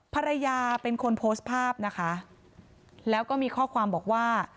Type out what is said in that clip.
ภรรยาเป็นคนโพสต์ภาพนะคะแล้วก็มีข้อความบอกว่า